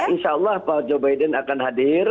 insya allah pak joe biden akan hadir